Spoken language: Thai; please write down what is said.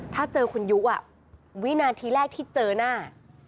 ถ้าเจอคุณยุวินาทีแรกที่เจอหน้า